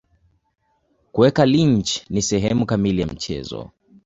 Kuweka lynching ni sehemu kamili ya mchezo.